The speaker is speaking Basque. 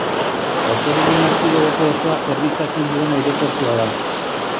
Autonomia erkidegoko osoa zerbitzatzen duen aireportua da.